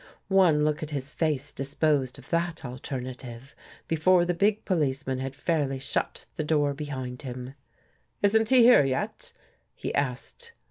One look at his face disposed of that alternative, before the big policeman had fairly shut the door behind him. " Isn't he here yet? " he asked.